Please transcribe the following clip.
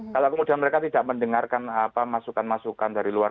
kalau kemudian mereka tidak mendengarkan masukan masukan dari luar